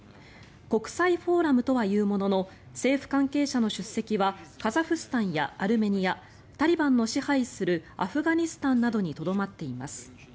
国際フォーラムとは言うものの政府関係者の出席はカザフスタンやアルメニアタリバンの支配するアフガニスタンなどにとどまっています。